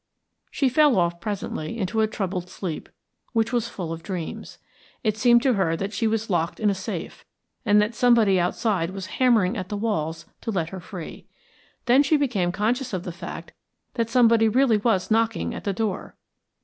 She fell off presently into a troubled sleep, which was full of dreams. It seemed to her that she was locked in a safe, and that somebody outside was hammering at the walls to let her free. Then she became conscious of the fact that somebody really was knocking at the door.